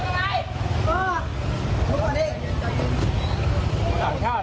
นาย